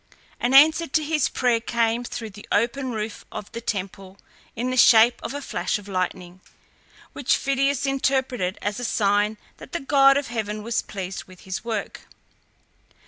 An answer to his prayer came through the open roof of the temple in the shape of a flash of lightning, which Phidias interpreted as a sign that the god of heaven was pleased with his work.